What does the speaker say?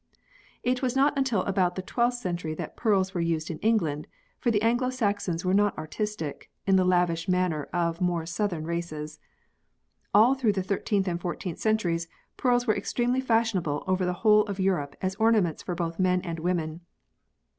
It was not until about the 12th century that pearls were used in England, for the Anglo Saxons were not artistic, in the lavish manner of more south ern races. All through the 13th and 14th centuries pearls were extremely fashionable over the whole of Europe as ornaments for both men and women.